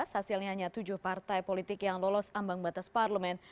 hasilnya hanya tujuh partai politik yang lolos ambang batas parlemen